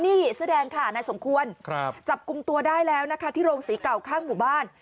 นี่เสื้อแดงค่ะนายสมควรจับกลุ่มตัวได้แล้วนะคะที่โรงศรีเก่าข้างหมู่บ้าน